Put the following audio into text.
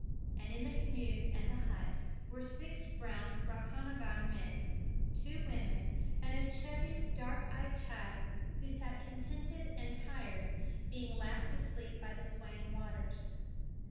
And in the canoes and the hut were six brown Rakahangan men, two women, and a chubby, dark eyed child, who sat contented and tired, being lapped to sleep by the swaying waters.